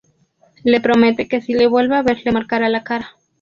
Le promete que si le vuelve a ver le marcará la cara.